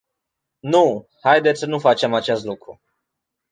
Nu, haideți să nu facem acest lucru.